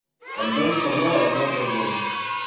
Elle donne son nom à la mer d'Azov.